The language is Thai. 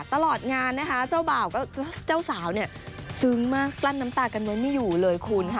ตลอดงานนะคะเจ้าบ่าวเจ้าสาวเนี่ยซึ้งมากกลั้นน้ำตากันไว้ไม่อยู่เลยคุณค่ะ